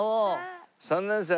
３年生。